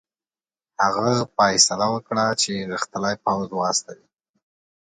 هغه فیصله وکړه چې غښتلی پوځ واستوي.